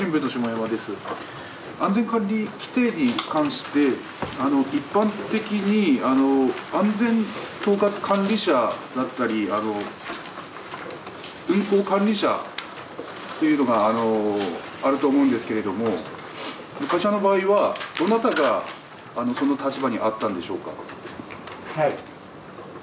安全管理規定に関して、一般的に安全統括管理者だったり、運航管理者というのがあると思うんですけれども、の場合はどなたがその立場にあったんでしょう